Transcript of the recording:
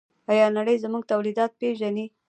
آیا نړۍ زموږ تولیدات پیژني؟